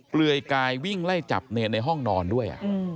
เลื่อยกายวิ่งไล่จับเนรในห้องนอนด้วย